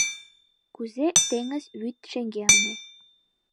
Кузе теҥыз вӱд шеҥгелне